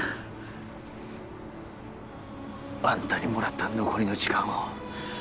あんたにもらった残りの時間を